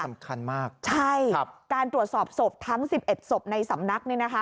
สำคัญมากใช่ครับการตรวจสอบศพทั้ง๑๑ศพในสำนักเนี่ยนะคะ